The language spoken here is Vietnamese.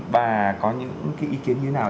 bà có những ý kiến như thế nào